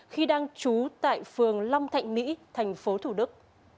khi đang trú tại phường long thạnh mỹ thành phố thủ đức